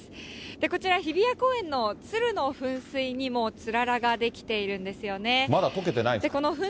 こちら、日比谷公園の鶴の噴水にもつららが出来ているんですよね。